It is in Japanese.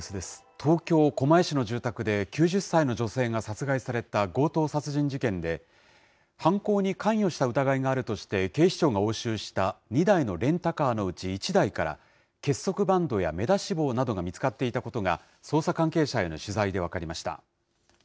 東京・狛江市の住宅で９０歳の女性が殺害された強盗殺人事件で、犯行に関与した疑いがあるとして警視庁が押収した２台のレンタカーのうち１台から、結束バンドや目出し帽などが見つかっていたことが、捜査関係者への取材で分かりました。